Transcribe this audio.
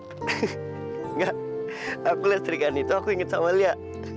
enggak aku liat serigana itu aku inget sama lia